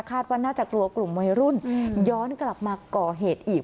ว่าน่าจะกลัวกลุ่มวัยรุ่นย้อนกลับมาก่อเหตุอีก